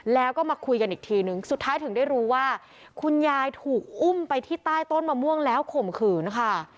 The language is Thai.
แล้วก็มาคุยกันอีกทีนึงสุดท้ายถึงได้รู้ว่าคุณยายถูกอุ้มไปที่ใต้ต้นมะม่วงแล้วข่มขืนค่ะ